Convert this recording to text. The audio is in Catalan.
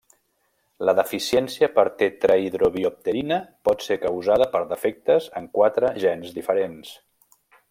La deficiència de tetrahidrobiopterina pot ser causada per defectes en quatre gens diferents.